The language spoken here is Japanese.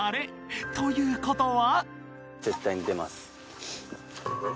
［ということは］